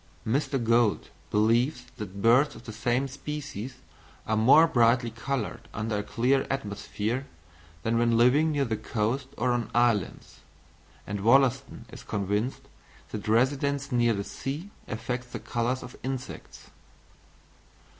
Mr. Gould believes that birds of the same species are more brightly coloured under a clear atmosphere, than when living near the coast or on islands; and Wollaston is convinced that residence near the sea affects the colours of insects.